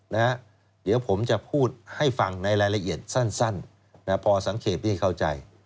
นะฮะเดี๋ยวผมจะพูดให้ฟังในรายละเอียดสั้นพอสังเกตพี่เข้าใจ